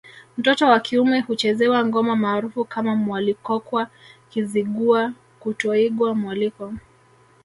Mtoto wa kiume huchezewa ngoma maarufu kama mwalikokwa Kizigua kutoigwa mwaliko